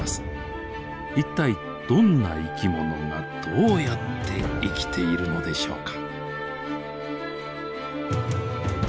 一体どんな生き物がどうやって生きているのでしょうか。